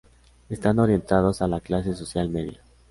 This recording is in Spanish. Están orientados a la clase social Media.